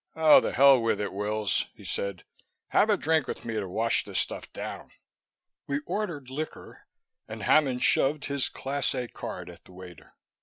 "Oh, the hell with it, Wills," he said. "Have a drink with me to wash this stuff down." We ordered liquor, and Hammond shoved his Class A card at the waiter.